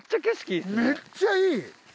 めっちゃいい！